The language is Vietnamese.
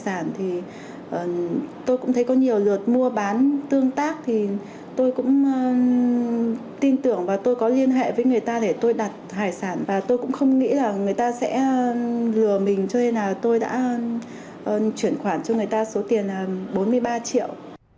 tài sản thì tôi cũng thấy có nhiều lượt mua bán tương tác thì tôi cũng tin tưởng và tôi có liên hệ với người ta để tôi đặt hải sản và tôi cũng không nghĩ là người ta sẽ lừa mình cho nên là tôi đã chuyển khoản cho người ta số tiền là bốn mươi ba triệu